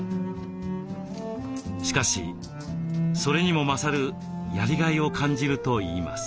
しかしそれにも勝るやりがいを感じるといいます。